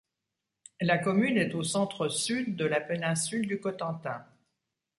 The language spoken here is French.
La commune est au centre-sud de la péninsule du Cotentin.